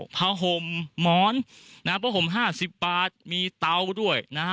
ผ้าห่มหมอนผ้าห่ม๕๐บาทมีเตาด้วยนะฮะ